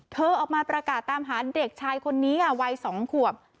เธอออกมาประกาศตามหาเด็กชายคนนี้ค่ะวัย๒ขวบ